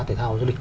tài thao giới lịch